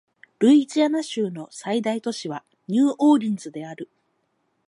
ルイジアナ州の最大都市はニューオーリンズである